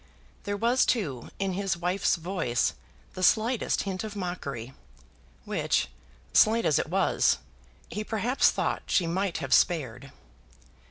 There was, too, in his wife's voice the slightest hint of mockery, which, slight as it was, he perhaps thought she might have spared.